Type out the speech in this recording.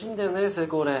成功例。